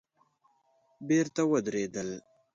بېرته ودرېدل.